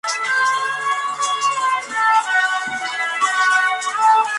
Además, la cría de aves de corral están activos en la ciudad.